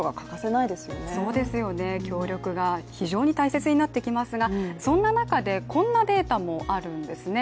そうですよね、協力が非常に大切になってきますがそんな中で、こんなデータもあるんですね。